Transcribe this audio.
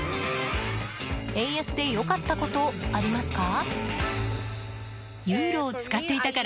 円安で良かったことありますか？